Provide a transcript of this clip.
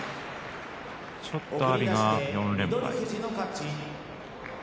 ちょっと阿炎が４連敗。